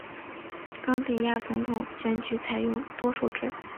冈比亚总统选举采用多数制。